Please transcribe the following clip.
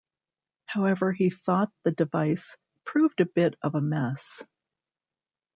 However he thought the device "proved a bit of a mess".